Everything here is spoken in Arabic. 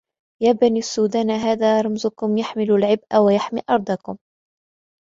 يا بني السودان هذا رمزكم يحمل العبء ويحمي أرضكم.